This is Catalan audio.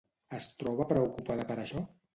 Es troba preocupada per això?